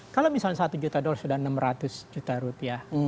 kalau misalnya satu juta dolar sudah enam ratus juta rupiah